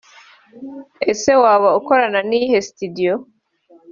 ese waba ukorana n‘iyihe studio